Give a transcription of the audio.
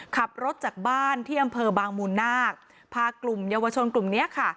ขับรถจากบ้านที่อำเภอบางมูลนาคพากลุ่มเยาวชนกลุ่มเนี้ยค่ะ